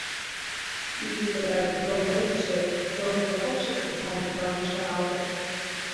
Кӱчызӧ гай йорлештше, зоритлалтше кресаньык-влак ешаралтыт.